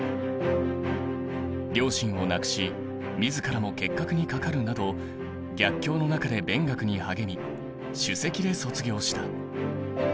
両親を亡くし自らも結核にかかるなど逆境の中で勉学に励み首席で卒業した。